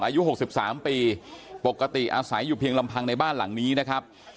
อายุ๖๓ปีปกติอาศัยอยู่เพียงลำพังในบ้านหลังนี้นะครับ